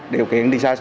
điều kiện đi xa